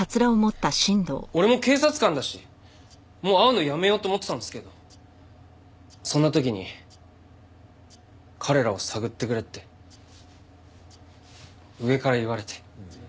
俺も警察官だしもう会うのやめようと思ってたんですけどそんな時に彼らを探ってくれって上から言われて。